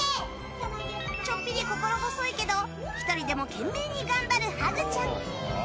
ちょっぴり心細いけど１人でも懸命に頑張るハグちゃん。